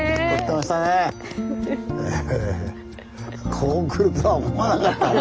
こうくるとは思わなかったな。